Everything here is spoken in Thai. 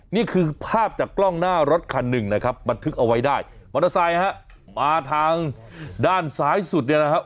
นี่คือภาพจากกล้องหน้ารถคันหนึ่งนะครับบันทึกเอาไว้ได้มอเตอร์ไซค์ฮะมาทางด้านซ้ายสุดเนี่ยนะครับ